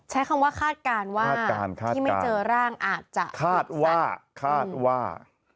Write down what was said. ใช้คำว่าคาดการณ์ว่าที่ไม่เจอร่างอาจจะคาดว่าคาดว่า